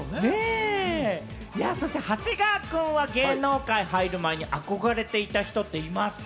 そして、長谷川くんは芸能界入る前に憧れていた人っていますか？